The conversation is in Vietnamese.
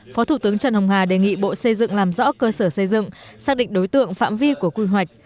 phó thủ tướng trần hồng hà đề nghị bộ xây dựng làm rõ cơ sở xây dựng xác định đối tượng phạm vi của quy hoạch